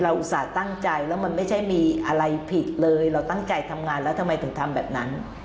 อุตส่าห์ตั้งใจแล้วมันไม่ใช่มีอะไรผิดเลยเราตั้งใจทำงานแล้วทำไมถึงทำแบบนั้น